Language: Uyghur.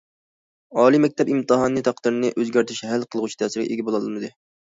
ئالىي مەكتەپ ئىمتىھانى تەقدىرنى ئۆزگەرتىش ھەل قىلغۇچ تەسىرگە ئىگە بولالمىدى.